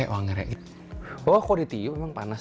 wah kok ditiup memang panas